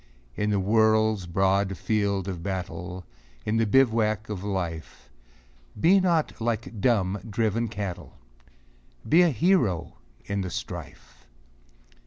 In the world's broad field of battle, In the bivouac of Life, Be not like dumb, driven cattle ! Be a hero in the strife